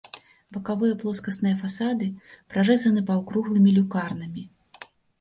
Бакавыя плоскасныя фасады прарэзаны паўкруглымі люкарнамі.